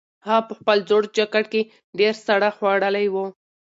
هغه په خپل زوړ جاکټ کې ډېر ساړه خوړلي وو.